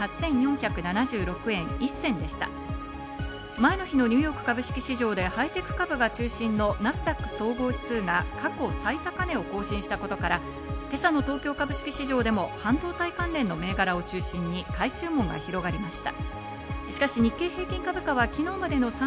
前の日のニューヨーク株式市場でハイテク株が中心のナスダック総合指数が過去最高値を更新したことから、今朝の東京株式市場でも半導体関連の銘柄を中心に買い注文が広がりました。